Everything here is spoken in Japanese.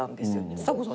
ちさ子さんちに。